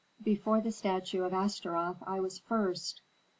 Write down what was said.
Before the statue of Astaroth I was first.